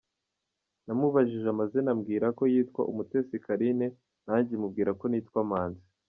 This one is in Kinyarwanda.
Namubajije amazina ambwira ko yitwa Umutesi Carine nanjye mubwira ko nitwa Manzi.